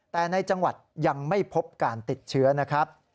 แต่ในจังหวัดยังไม่พบการติดเชื้อนะครับ